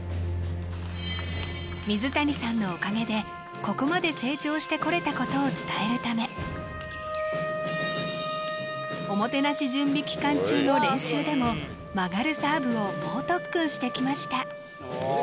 水谷さんのおかげでここまで成長してこれたことを伝えるためおもてなし準備期間中の練習でも曲がるサーブを猛特訓してきました